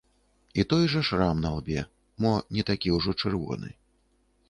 І той жа шрам на лбе, мо не такі ўжо чырвоны.